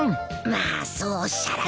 まあそうおっしゃらずに。